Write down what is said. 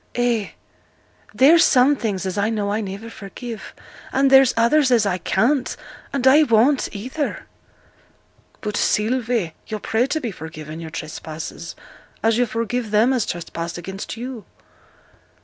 'Ay, there's some things as I know I niver forgive; and there's others as I can't and I won't, either.' 'But, Sylvie, yo' pray to be forgiven your trespasses, as you forgive them as trespass against you.'